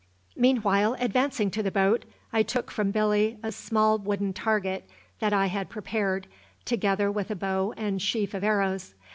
Meanwhile, advancing to the boat, I took from Billy a small wooden target that I had prepared, together with a bow and sheaf of arrows.